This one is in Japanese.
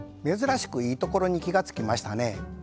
珍しくいいところに気が付きましたね。